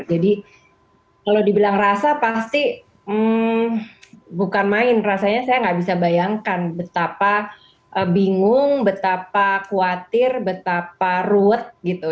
jadi kalau dibilang rasa pasti bukan main rasanya saya nggak bisa bayangkan betapa bingung betapa khawatir betapa ruwet gitu